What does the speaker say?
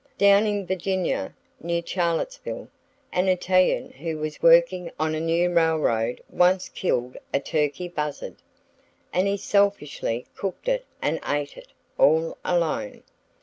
Down in Virginia, near Charlottesville, an Italian who was working on a new railroad once killed a turkey buzzard; and he selfishly cooked it and ate it, all alone.